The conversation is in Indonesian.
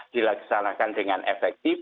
dilaksanakan dengan efektif